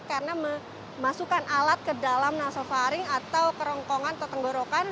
karena memasukkan alat ke dalam nasofaring atau kerongkongan atau tenggorokan